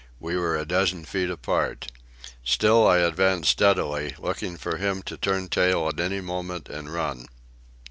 We were a dozen feet apart. Still I advanced steadily, looking for him to turn tail at any moment and run.